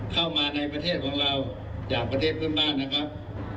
เข้ามาในประเทศของเราจากประเทศเพื่อนบ้านนะครับ